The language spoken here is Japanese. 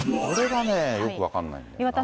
これがね、よく分かんないんだよ